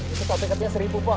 itu topikatnya seribu pak